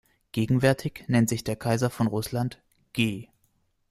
Gegenwärtig nennt sich der Kaiser von Rußland „G.